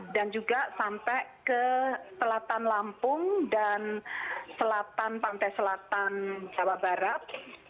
dan juga sampai ke selatan lampung dan selatan pantai selatan jawa barat